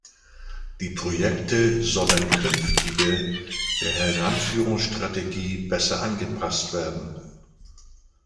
Die Projekte sollen künftige der Heranführungsstrategie besser angepasst werden.